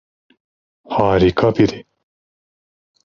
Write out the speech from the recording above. Harika biri.